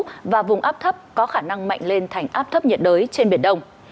để chủ động ứng phó với áp thấp có khả năng mạnh lên thành áp thấp nhiệt đới trên biển đông